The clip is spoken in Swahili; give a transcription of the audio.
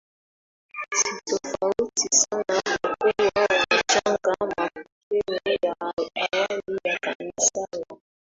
si tofauti sana kwa kuwa wanachanga mapokeo ya awali ya Kanisa la